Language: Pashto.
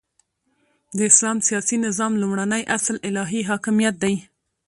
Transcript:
د اسلام سیاسی نظام لومړنی اصل الهی حاکمیت دی،